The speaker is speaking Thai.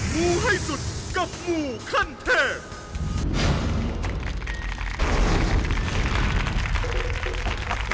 งูให้สุดกับงูขั้นเทพ